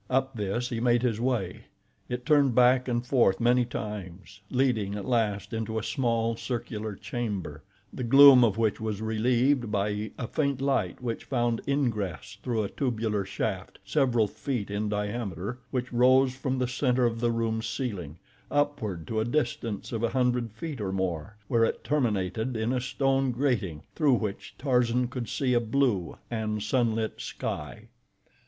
Up this he made his way. It turned back and forth many times, leading, at last, into a small, circular chamber, the gloom of which was relieved by a faint light which found ingress through a tubular shaft several feet in diameter which rose from the center of the room's ceiling, upward to a distance of a hundred feet or more, where it terminated in a stone grating through which Tarzan could see a blue and sun lit sky.